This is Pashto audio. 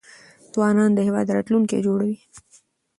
ځوانان د هيواد راتلونکي جوړونکي دي .